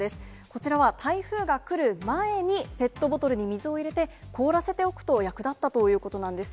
こちらは台風が来る前にペットボトルに水を入れて、凍らせておくと役立ったということなんです。